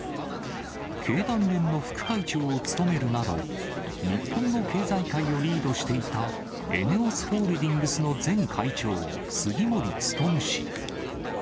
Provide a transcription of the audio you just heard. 経団連の副会長を務めるなど、日本の経済界をリードしていたＥＮＥＯＳホールディングスの前会長、杉森務氏。